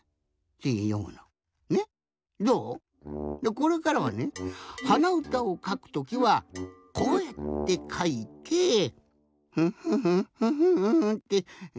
これからはねはなうたをかくときはこうやってかいて。ってよむの。